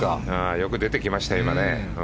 よく出てきましたよ、今。